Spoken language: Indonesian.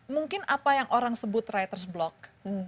mungkin apa yang orang sebut writer's block